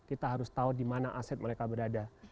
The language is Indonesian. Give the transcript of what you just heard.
kita harus tahu di mana aset mereka berada